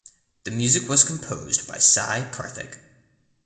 The music was composed by Sai Karthik.